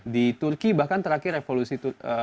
di turki bahkan terakhir revolusi